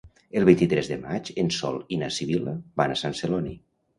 El vint-i-tres de maig en Sol i na Sibil·la van a Sant Celoni.